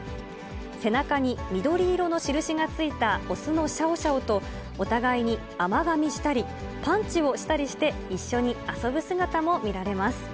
背中に緑色の印がついた雄のシャオシャオと、お互いに甘がみしたり、パンチをしたりして、一緒に遊ぶ姿も見られます。